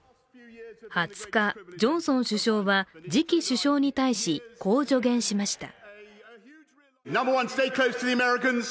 ２０日、ジョンソン首相は次期首相に対し、こう助言しました。